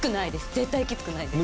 絶対きつくないです。